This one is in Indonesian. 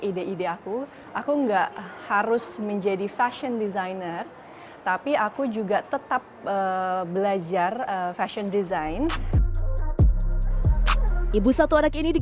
ide ide aku aku nggak harus menjadi fashion designer tapi aku juga tetap belajar fashion design ibu satu